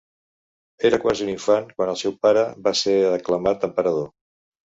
Era quasi un infant quan el seu pare va ser aclamat emperador.